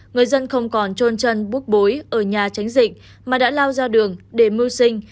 người dân không còn trôn chân búc bối ở nhà tránh dịch mà đã lao ra đường để mưu sinh